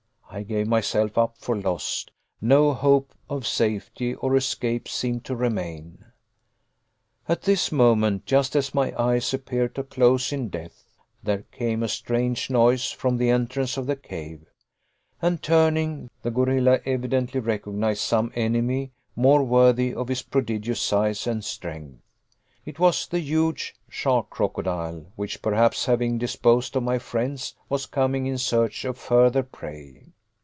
I gave myself up for lost. No hope of safety or escape seemed to remain. At this moment, just as my eyes appeared to close in death, there came a strange noise from the entrance of the cave; and turning, the gorilla evidently recognized some enemy more worthy his prodigious size and strength. It was the huge shark crocodile, which perhaps having disposed of my friends, was coming in search of further prey.